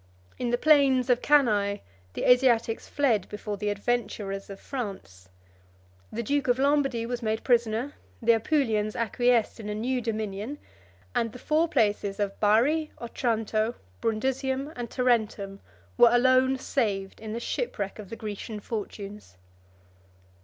In the plains of Cannae, the Asiatics fled before the adventurers of France; the duke of Lombardy was made prisoner; the Apulians acquiesced in a new dominion; and the four places of Bari, Otranto, Brundusium, and Tarentum, were alone saved in the shipwreck of the Grecian fortunes.